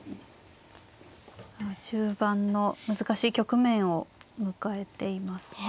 中盤の難しい局面を迎えていますね。